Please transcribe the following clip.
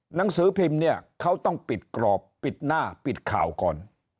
หนังสือพิมพ์เนี่ยเขาต้องปิดกรอบปิดหน้าปิดข่าวก่อน